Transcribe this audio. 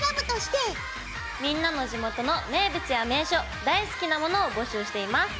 みんなの地元の名物や名所大好きなものを募集しています。